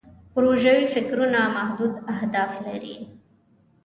پروژوي فکرونه محدود اهداف لري.